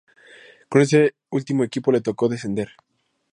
Con este último equipo le tocó descender.